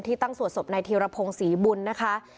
ที่ตั้งสวดศพในธีรพงษ์ศรีบุญนะคะ